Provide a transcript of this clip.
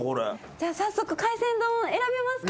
じゃあ早速海鮮丼を選びますか。